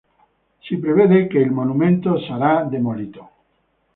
Si prevede che il monumento sarà demolito.